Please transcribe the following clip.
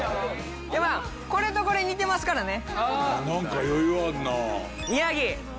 まあこれとこれ似てますからね。